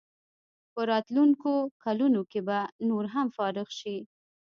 په راتلونکو کلونو کې به نور هم فارغ شي.